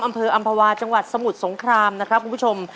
อำเภออำภาวาจังหวัดสมุทรสงครามนะครับคุณผู้ชม